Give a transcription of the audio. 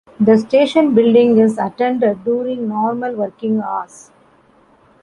The station building is attended during normal working hours.